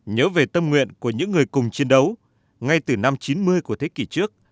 năm nguyện của những người cùng chiến đấu ngay từ năm chín mươi của thế kỷ trước